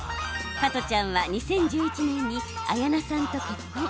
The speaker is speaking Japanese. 加トちゃんは２０１１年に綾菜さんと結婚。